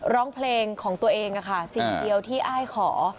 ร้องเพลงของตัวเองค่ะสิ่งเดียวที่อ้ายขอ